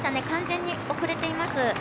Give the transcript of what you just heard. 完全に遅れています。